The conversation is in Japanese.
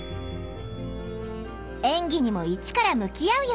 演技にもイチから向き合うように。